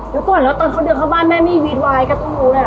แล้วตอนเขาเดินเข้าบ้านแม่ไม่วิทวายก็ต้องรู้เลยเหรอ